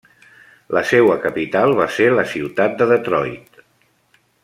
La seua capital va ser la ciutat de Detroit.